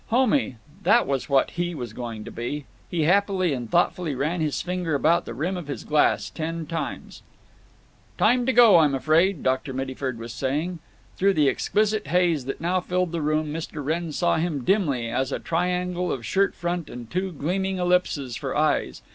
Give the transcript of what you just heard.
Homey—that was what he was going to be! He happily and thoughtfully ran his finger about the rim of his glass ten times. "Time to go, I' m afraid," Dr. Mittyford was saying. Through the exquisite haze that now filled the room Mr. Wrenn saw him dimly, as a triangle of shirt front and two gleaming ellipses for eyes….